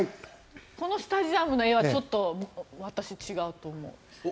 このスタジアムの絵はちょっと私、違うと思う。